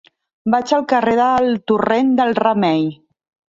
Vaig al carrer del Torrent del Remei.